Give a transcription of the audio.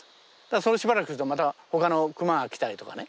それでしばらくするとまた他のクマが来たりとかね。